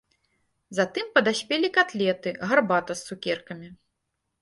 Затым падаспелі катлеты, гарбата з цукеркамі.